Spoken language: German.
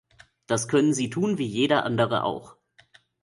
Das können Sie tun wie jeder andere auch.